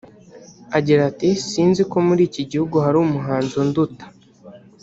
Agira ati “Si nzi ko muri iki gihugu hari umuhanuzi unduta